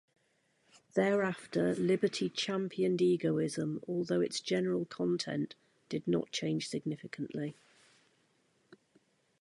Thereafter, Liberty championed egoism although its general content did not change significantly.